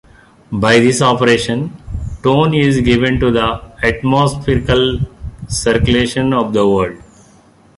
By this operation, tone is given to the atmospherical circulation of the world.